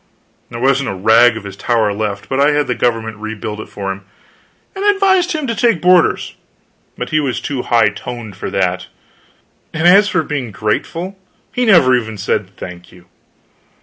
There wasn't a rag of his tower left, but I had the government rebuild it for him, and advised him to take boarders; but he was too high toned for that. And as for being grateful, he never even said thank you.